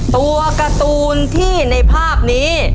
ตัวการ์ตูนที่ในภาพนี้